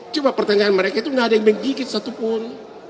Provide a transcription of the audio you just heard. cuma pertanyaan mereka itu nggak ada yang menggigit satupun